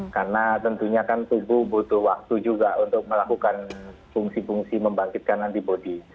karena tentunya kan tubuh butuh waktu juga untuk melakukan fungsi fungsi membangkitkan antibody